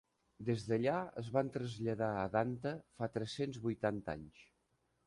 Des d'allà es van traslladar a Danta fa tres-cents vuitanta anys.